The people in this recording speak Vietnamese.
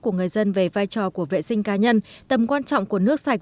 của người dân về vai trò của vệ sinh cá nhân tầm quan trọng của nước sạch